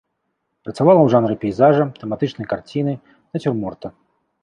Працавала ў жанры пейзажа, тэматычнай карціны, нацюрморта.